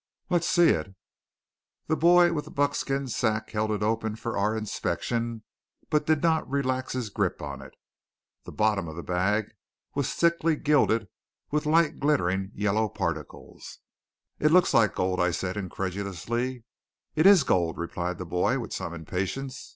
"Let's see it." The boy with the buckskin sack held it open for our inspection, but did not relax his grip on it. The bottom of the bag was thickly gilded with light glittering yellow particles. "It looks like gold," said I, incredulously. "It is gold," replied the boy with some impatience.